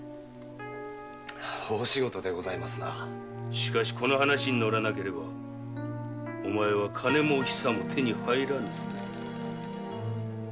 しかしこの話に乗らなければお前は金もお久も手に入らぬぞ。